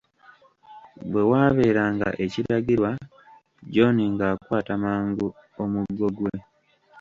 Bwe waabeeranga ekiragirwa John ng'akwata mangu omuggo gwe.